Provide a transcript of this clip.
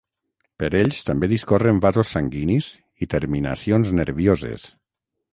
Per ells també discorren vasos sanguinis i terminacions nervioses.